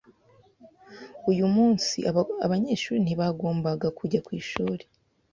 Uyu munsi, abanyeshuri ntibagomba kujya ku ishuri.